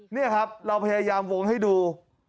นี่ครับเราพยายามวงให้ดู